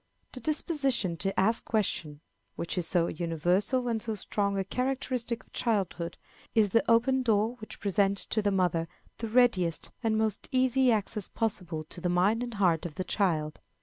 The disposition to ask questions, which is so universal and so strong a characteristic of childhood, is the open door which presents to the mother the readiest and most easy access possible to the mind and heart of her child.